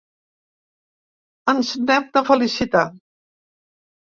Ens n'hem de felicitar!